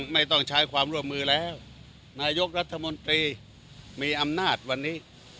ไม่ต้องใช้ความร่วมมือแล้วนายกรัฐมนตรีมีอำนาจวันนี้